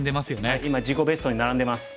はい今自己ベストに並んでます。